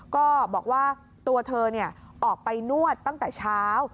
ก็บอกว่าตัวเธอออกไปนวดตั้งแต่เช้า